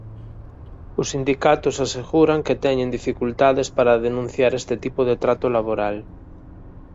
Os sindicatos aseguran que teñen dificultades para denunciar este tipo de trato laboral.